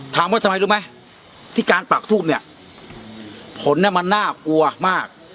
ถามว่าทำไมรู้ไหมที่การปากทูบเนี่ยผลเนี่ยมันน่ากลัวมาก